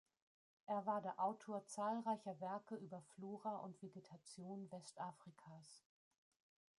Er war der Autor zahlreicher Werke über Flora und Vegetation Westafrikas.